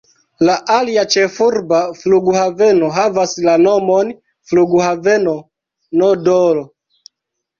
La alia ĉefurba flughaveno havas la nomon flughaveno N’Dolo.